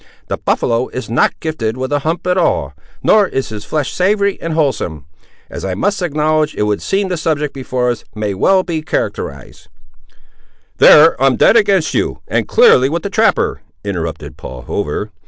The buffaloe is not gifted with a hump at all; nor is his flesh savoury and wholesome, as I must acknowledge it would seem the subject before us may well be characterised—" "There I'm dead against you, and clearly with the trapper," interrupted Paul Hover.